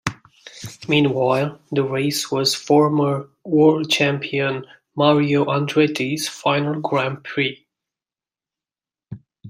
Meanwhile, the race was former world champion Mario Andretti's final grand prix.